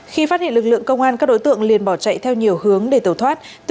khi phát hiện lực lượng công an các đối tượng liền bỏ chạy theo nhiều hướng để tẩu thoát